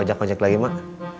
ojak ojak lagi mak